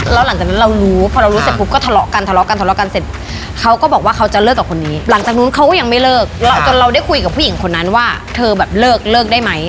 แล้วว่าอ้าวเห็นเขาอะจะขอคบกับผู้หญิงคนนี้อีกคนได้ไหม